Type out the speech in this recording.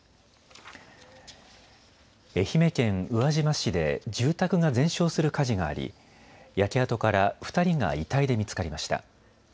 愛媛県宇和島市で住宅が全焼する火事があり焼け跡から２人が遺体で見つかりました。